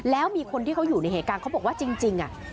แล้วมีคนที่เขาอยู่ในเหตุการณ์เขาบอกว่าจริง